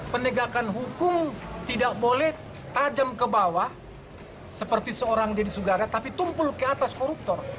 penegakan hukum tidak boleh tajam ke bawah seperti seorang deddy sugara tapi tumpul ke atas koruptor